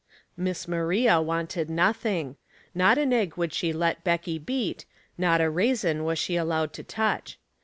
Miss Maria wanted nothing. Not an egg would she let Becky beat, not a raisin was she allowed to touch.